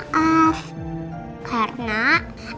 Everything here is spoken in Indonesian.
karena aku udah ilangnya ya